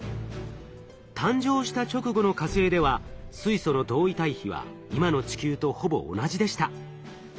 誕生した直後の火星では水素の同位体比は今の地球とほぼ同じでした。